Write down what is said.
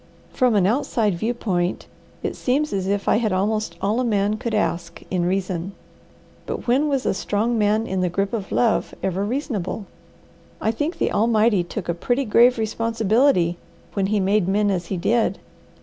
From an outside viewpoint it seems as if I had almost all a man could ask in reason. But when was a strong man in the grip of love ever reasonable? I think the Almighty took a pretty grave responsibility when He made men as He did.